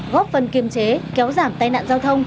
góp phần kiềm chế kéo giảm tai nạn giao thông